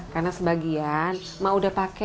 karena sebagian mak udah pake